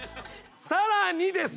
さらにです。